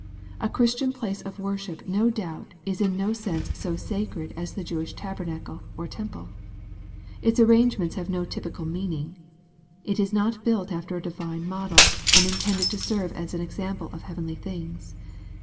A Christian place of worship no doubt is in no sense so sacred as the Jewish tabernacle, or temple. Its arrangements have no typical meaning. It is not built after a divine model, and intended to serve as an example of heavenly things.